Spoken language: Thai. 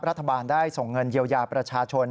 รัฐบาลได้ส่งเงินเยียวยาประชาชน